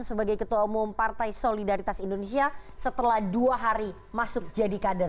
sebagai ketua umum partai solidaritas indonesia setelah dua hari masuk jadi kader